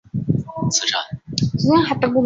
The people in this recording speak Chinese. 这里仅记录最后一场琦玉公演的节目单。